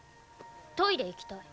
トイレ行きたい。